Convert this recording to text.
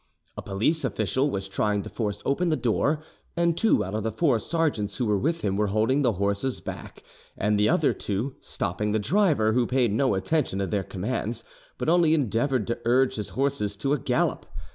A police official was trying to force open the door, and two out of the four sergeants who were with him were holding the horses back and the other two stopping the driver, who paid no attention to their commands, but only endeavoured to urge his horses to a gallop.